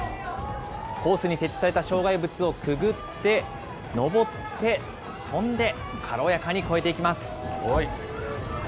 コースに設置された障害物をくぐって、登って、跳んで、軽やかに超えていきます。